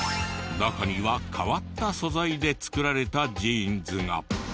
中には変わった素材で作られたジーンズが。